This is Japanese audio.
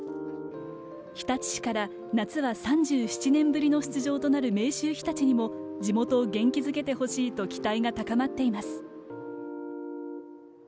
日立市から夏は３７年ぶりの出場となる明秀日立にも地元を元気づけてほしいと期待が高まっています。